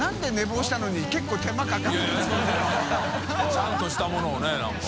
ちゃんとしたものをね何か。